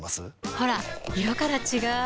ほら色から違う！